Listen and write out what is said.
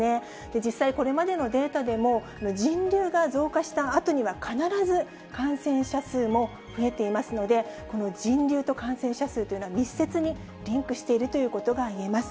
実際、これまでのデータでも、人流が増加したあとには、必ず感染者数も増えていますので、この人流と感染者数というのは、密接にリンクしているということがいえます。